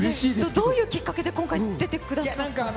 どういうきっかけで今回出てくださったんですか？